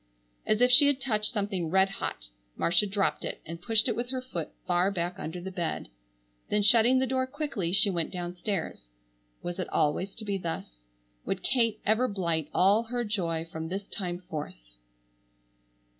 As if she had touched something red hot Marcia dropped it, and pushed it with her foot far back under the bed. Then shutting the door quickly she went downstairs. Was it always to be thus? Would Kate ever blight all her joy from this time forth?